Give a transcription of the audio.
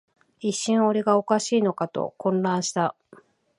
一瞬、俺がおかしいのかと混乱した